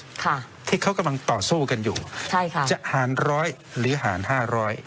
ค่ะที่เขากำลังต่อสู้กันอยู่ใช่ค่ะจะหารร้อยหรือหารห้าร้อย